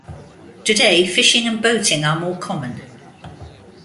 Today fishing and boating are more common.